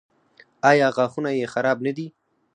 ایا غاښونه یې خراب نه دي؟